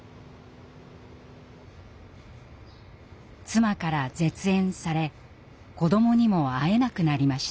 妻から絶縁され子どもにも会えなくなりました。